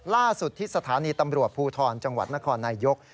ล่าสุดที่สถานีตำรวจภูทรจังหวัดนครนายก